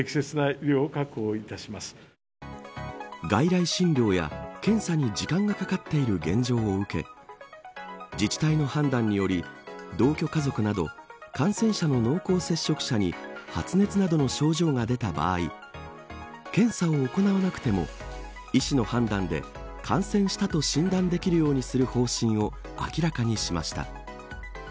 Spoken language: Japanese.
外来診療や検査に時間がかかっている現状を受け自治体の判断により同居家族など感染者の濃厚接触者に発熱などの症状が出た場合検査を行わなくても医師の判断で感染したと診断できるようにする方針を明らかにしました。